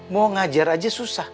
mau ngajar aja susah